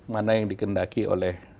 mana yang dikendaki oleh